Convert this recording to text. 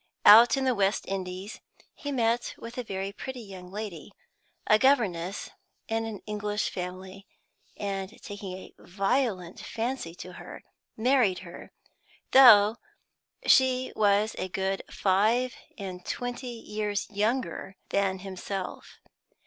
Out in the West Indies he met with a pretty young lady, a governess in an English family, and, taking a violent fancy to her, married her, though she was a good five and twenty years younger than himself.